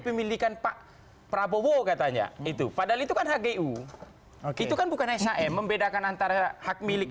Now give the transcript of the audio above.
pemilikan pak prabowo katanya itu padahal itu kan hgu itu kan bukan shm membedakan antara hak milik